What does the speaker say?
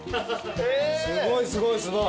・すごいすごいすごい。